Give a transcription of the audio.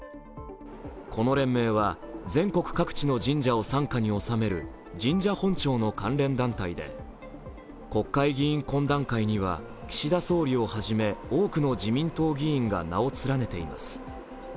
この連盟は全国各地の神社を傘下に収める神社本庁の関連団体で国会議員懇談会には岸田総理をはじめ多くの自民党議員が名を連ねています。